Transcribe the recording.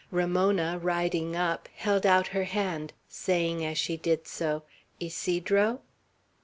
Ramona, riding up, held out her hand, saying, as she did so, "Ysidro?"